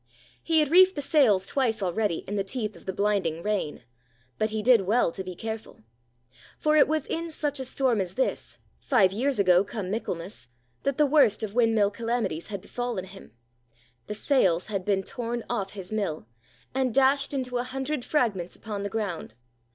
He had reefed the sails twice already in the teeth of the blinding rain. But he did well to be careful. For it was in such a storm as this, five years ago "come Michaelmas," that the worst of windmill calamities had befallen him,—the sails had been torn off his mill and dashed into a hundred fragments upon the ground.